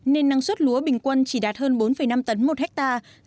nên năng suất lúa bình quân chỉ đạt hơn bốn năm tấn một hectare